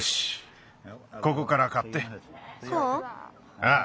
ああ。